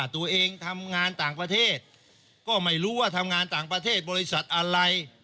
ตัวเองทำงานต่างประเทศก็ไม่รู้ว่าทำงานต่างประเทศบริษัทอะไร